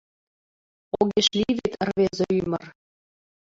Огеш лий вет рвезе ӱмыр